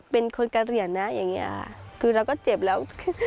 เป็นคนเกษียณนะอย่างนี้ค่ะคือเราก็เจ็บแล้ว